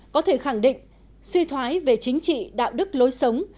có thể khẳng định suy thoái về chính trị đạo đức lối sống